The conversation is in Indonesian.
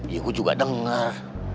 ya gue juga denger